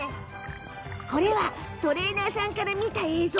これはトレーナーさんから見た映像。